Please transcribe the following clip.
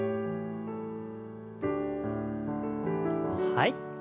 はい。